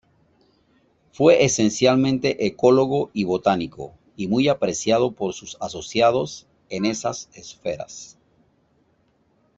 Fue esencialmente ecólogo y botánico; y muy apreciado por sus asociados en esas esferas.